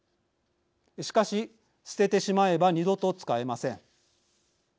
しかし捨ててしまえば二度と使えません。